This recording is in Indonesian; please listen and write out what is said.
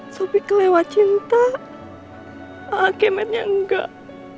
sopi kelewat cinta alkemetnya nggak